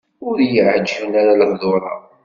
Ur yi-εǧiben ara lehdur-a.